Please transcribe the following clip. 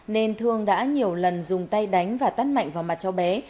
nên thương đã nhiều lần dùng tay đánh và tắt mạnh vào mặt cháu bé